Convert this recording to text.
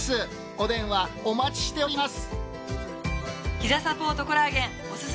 お電話お待ちしております。